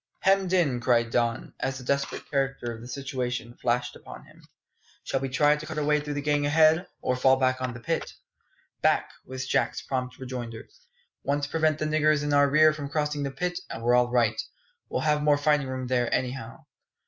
Hemmed in!" cried Don, as the desperate character of the situation flashed upon him. "Shall we try to cut our way through the gang ahead, or fall back on the pit?" "Back!" was Jack's prompt rejoinder. "Once prevent the niggers in our rear from crossing the pit, and we're all right. We'll have more fighting room there, anyhow."